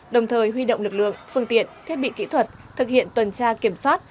đồng thời huy động lực lượng phương tiện thiết bị kỹ thuật thực hiện tuần tra kiểm soát